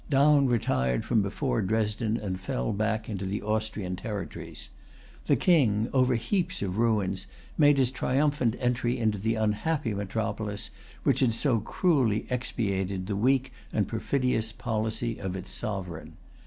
Daun retired from before Dresden, and fell back into the Austrian territories. The King, over heaps of ruins, made his triumphant entry into the unhappy metropolis, which had so cruelly expiated the weak and perfidious policy of its sovereign.